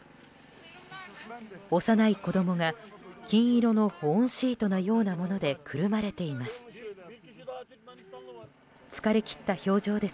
幼い子供が金色の保温シートのようなものでくるまれています。